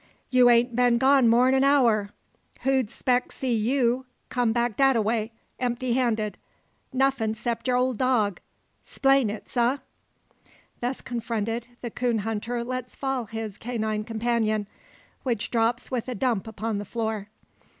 You ain't been gone more'n a hour! Who'd speck see you come back dat a way, empty handed; nuffin, 'cep your own ole dog! 'Splain it, sah?" Thus confronted, the coon hunter lets fall his canine companion; which drops with a dump upon the floor.